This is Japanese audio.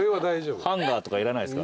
ハンガーとかいらないですか？